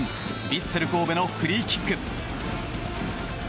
ヴィッセル神戸のフリーキック。